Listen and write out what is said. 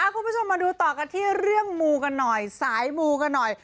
คุณผู้ชมมาดูต่อกันที่เรื่องมูกันหน่อยสายมูกันหน่อย